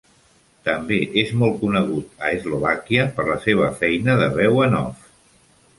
També és molt conegut a Eslovàquia per la seva feina de veu en off.